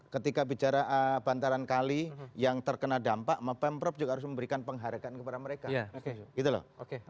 ketika bicara bantaran kali yang terkena dampak pemprov juga harus memberikan penghargaan kepada mereka gitu loh